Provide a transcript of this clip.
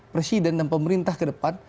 presiden dan pemerintah ke depan